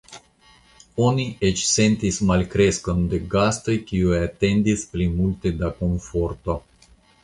Oni eĉ sentis malkreskon de gastoj kiuj atendis pli multe da komforto.